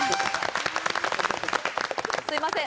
すみません。